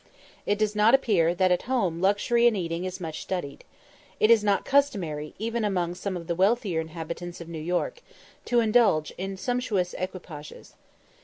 It does not appear that at home luxury in eating is much studied. It is not customary, even among some of the wealthier inhabitants of New York, to indulge in sumptuous equipages.